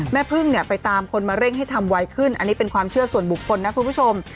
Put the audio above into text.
แม่พึ่งเนี่ยไปตามคนมาเร่งให้ทำไวขึ้นอันนี้เป็นความเชื่อส่วนบุคคลนะคุณผู้ชม